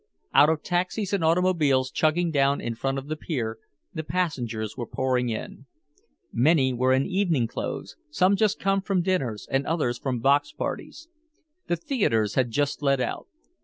Out of taxis and automobiles chugging down in front of the pier, the passengers were pouring in. Many were in evening clothes, some just come from dinners and others from box parties. The theaters had just let out.